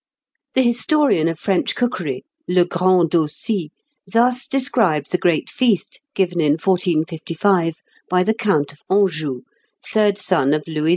The historian of French cookery, Legrand d'Aussy, thus desoribes a great feast given in 1455 by the Count of Anjou, third son of Louis II.